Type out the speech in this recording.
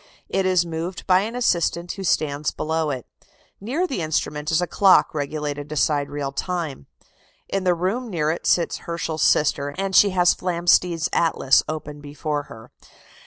It is moved by an assistant, who stands below it.... Near the instrument is a clock regulated to sidereal time.... In the room near it sits Herschel's sister, and she has Flamsteed's atlas open before her.